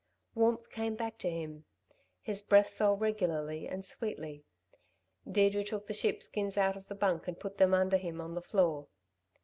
Warmth came back to him. His breath fell regularly and sweetly. Deirdre took the sheepskins out of the bunk and put them under him on the floor.